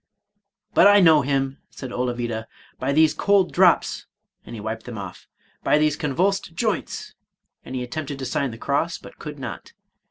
" But I know him," said Olavida, " by these cold drops !" and he wiped them off ;—" by these convulsed joints !" and he attempted to sign the cross, but could not.